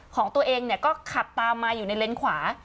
ของตัวเองก็ขับตามมาอยู่ในเลนส์ขวา